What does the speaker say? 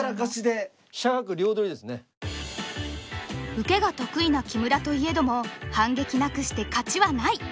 受けが得意な木村といえども反撃なくして勝ちはない。